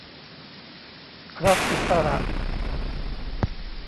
รัฐอิสระ